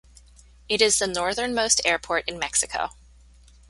It is the northern-most airport in Mexico.